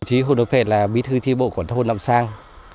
đồng chí hồ đụng phệ là bí thư tri bộ của thôn năm sang